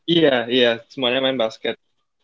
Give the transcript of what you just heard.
iya iya semuanya main basket